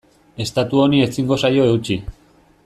Estatu honi ezingo zaio eutsi.